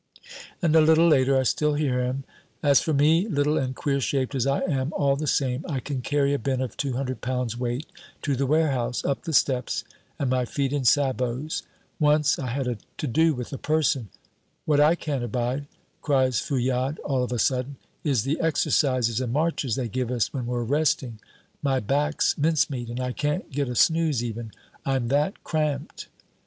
And a little later I still hear him: "As for me, little and queer shaped as I am, all the same I can carry a bin of two hundred pounds' weight to the warehouse, up the steps, and my feet in sabots. Once I had a to do with a person " "What I can't abide," cries Fouillade, all of a sudden, "is the exercises and marches they give us when we're resting. My back's mincemeat, and I can't get a snooze even, I'm that cramped."